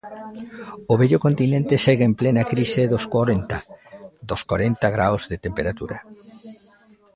O vello continente segue en plena crise dos corenta, dos corenta graos de temperatura.